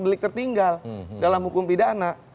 delik tertinggal dalam hukum pidana